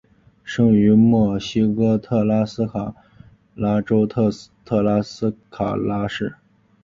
生于墨西哥特拉斯卡拉州特拉斯卡拉市。